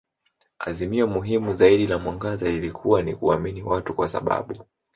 Azimio muhimu zaidi la mwangaza lilikuwa ni kuamini watu kwa sababu.